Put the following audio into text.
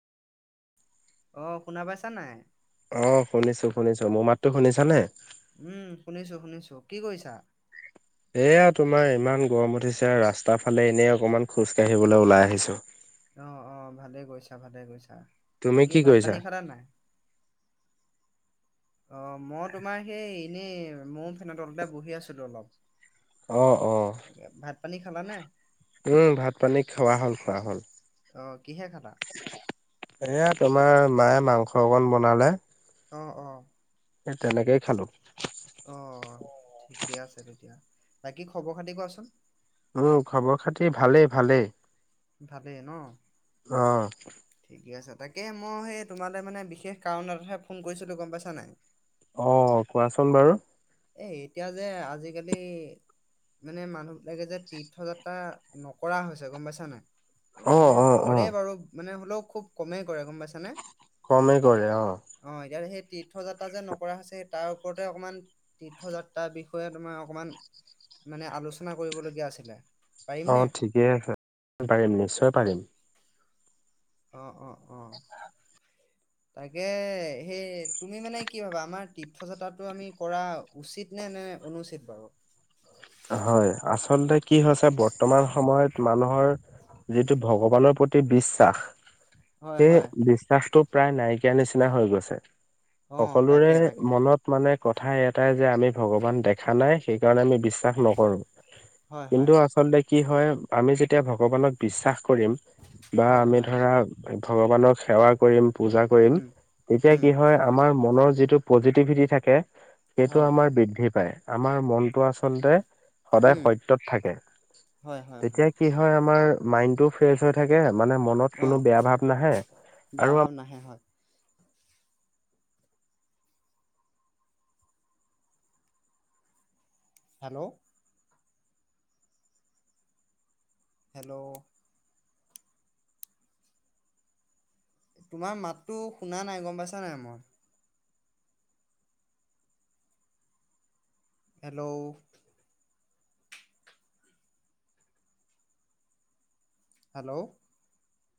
অ', শুনা পাইছা নাই? অ', শুনিছোঁ, শুনিছোঁ। মোৰ মাততো শুনিছানে? উম, শুনিছোঁ, শুনিছোঁ। কি কৰিছা? এয়া তোমাৰ ইমান গৰম উঠিছে ৰাস্তাৰ ফালে এনেই অকনমান খোজ কাঢ়িবলৈ ওলাই আহিছোঁ। অ', অ', ভালে কৰিছা, ভালেই কৰিছা। তুমি বাকী কি ভাত কৰিছা পানী খালা নাই? অ', ময়ো তোমাৰ সেই এনেই ময়ো ফেনৰ তলতে বহি আছিলো অলপ। অ', অ'। এয়া, ভাত পানী খালা নে? উম, ভাত পানী খোৱা হ'ল, খোৱা হ'ল। অ কিহে খালা? এয়া, তোমাৰ মায়ে মাংস অকণ বনালে। অ', অ'। সে তেনেকেইে খালোঁ। অ', ঠিকে আছে তেতিয়া। বাকী খবৰ খাতি কোৱাচোন? উম, খবৰ খাতি ভালেই, ভালেই। ভালেই ন? অ'। ঠিকে আছে, তাকে মই সেই তোমালে মানে বিশেষ কাৰণ এটাতহে ফোন কৰিছিলোঁ গম পাইছা নাই? অ', কোৱাচোন বাৰু। এ এতিয়া যে আজিকালি মানে মানুহবিলাকে যে তীৰ্থযাত্ৰা নকৰা হৈছে, গম পাইছা নাই? অ মানে অ অ কৰে বাৰু মানে হ'লেও খুব কমেই কৰে গম পাইছানে? কমেই কৰে অ'। অ', এতিয়া হে তীৰ্থযাত্ৰা যে নকৰা হৈছে তাৰ ওপৰতে অকমান তীৰ্থযাত্ৰাৰ বিষয়ে তোমাৰ অকমান, মানে আলোচনা কৰিবলগীয়া আছিলে। পাৰিমনে অ', ঠিকে আছে, পাৰিম নিশ্চয় অ পাৰিম। অ', অ', অ'। তাকে, সেই তুমি মানে কি ভাবা আমাৰ তীৰ্থযাত্ৰাটো আমি কৰা উচিত নে, নে অনুচিত বাৰু? হয়, আচলতে কি হৈছে বৰ্তমান সময়ত মানুহৰ যিটো ভগৱানৰ প্ৰতি বিশ্বাস। হয় সেই হয় বিশ্বাসটো প্ৰায় নাইকিয়া নিচিনা হৈ গৈছে। অ তাকে সকলোৰে তাকে মনত মানে কথা এটাই যে আমি ভগৱান দেখা নাই, সেইকাৰণে আমি বিশ্ শাস নকৰো, হয় হয় কিন্তু কি হয় আমি যে তিয়া ভগৱানক বিশ্বাস কৰিম - বা হয় আমি হয় ধৰা ভগৱানক সেৱা কৰিম পূজা কৰিম উম তেতিয়া উম কি হয় - আমাৰ মনৰ যিটো পজেতিভিটি থাকে সেইটো হয় আমাৰ বৃদ্ধি পায়, আমাৰ মনটো আ চলতে সদায় উম সত্যত থাকে। হয় হয় তেতিয়া - কি হয় আমাৰ মাইনটো ফ্ৰেচ হৈ থাকে, মানে মনত অ কোনো বেয়া ভাব নাহে, বেয়া আৰু ভাৱ আ নাহে হয়। হেল্লো'। হেল্লো'। তোমাৰ মাতো শুনা নাই গম পাইছা নাই মই। হেল্লো'। হেল্লো'।